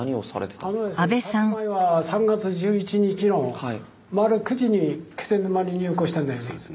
たつまいは３月１１日の０９時に気仙沼に入港したんだよね。